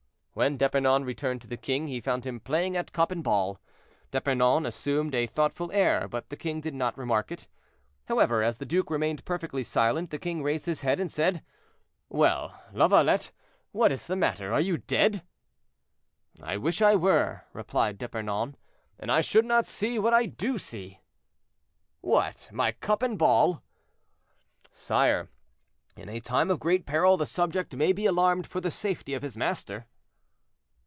When D'Epernon returned to the king he found him playing at cup and ball. D'Epernon assumed a thoughtful air, but the king did not remark it. However, as the duke remained perfectly silent, the king raised his head and said, "Well, Lavalette, what is the matter, are you dead?" "I wish I were," replied D'Epernon, "and I should not see what I do see." "What, my cup and ball?" "Sire, in a time of great peril the subject may be alarmed for the safety of his master."